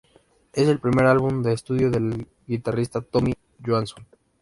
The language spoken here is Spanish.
Es el primer álbum de estudio con el guitarrista Tommy Johansson.